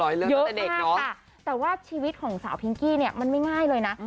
เยอะมากค่ะแต่ว่าชีวิตของสาวพิงกี้เนี่ยมันไม่ง่ายเลยนะ